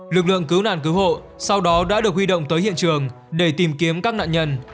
lực lượng cứu nạn cứu hộ sau đó đã được huy động tới hiện trường để tìm kiếm các nạn nhân